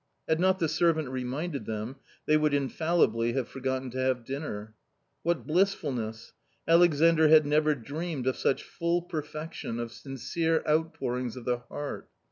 Had not the servant reminded them, they would infallibly have forgotten to have dinner. What blissfulness ! Alexandr had never dreamed of such full perfection of " sincere outpourings of the heart."